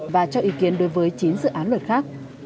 và cho ý kiến đối với chín dự án luật khác